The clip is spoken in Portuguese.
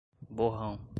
borrão